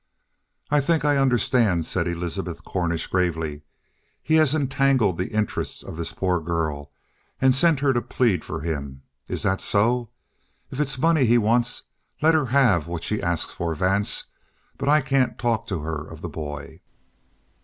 "I think I understand," said Elizabeth Cornish gravely. "He has entangled the interest of this poor girl and sent her to plead for him. Is that so? If it's money he wants, let her have what she asks for, Vance. But I can't talk to her of the boy."